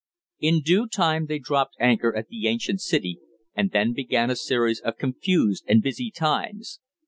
In due time they dropped anchor at the ancient city, and then began a series of confused and busy times.